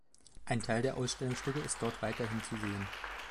Ein Teil der Ausstellungsstücke ist dort weiterhin zu sehen.